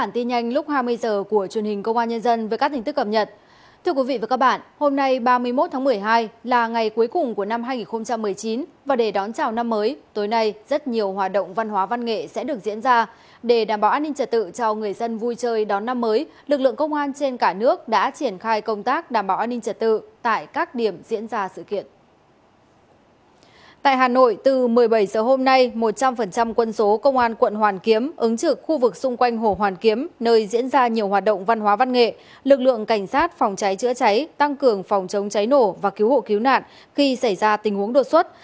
tại hà nội từ một mươi bảy h hôm nay một trăm linh quân số công an quận hoàn kiếm ứng trực khu vực xung quanh hồ hoàn kiếm nơi diễn ra nhiều hoạt động văn hóa văn nghệ lực lượng cảnh sát phòng cháy chữa cháy tăng cường phòng chống cháy nổ và cứu hộ cứu nạn khi xảy ra tình huống đột xuất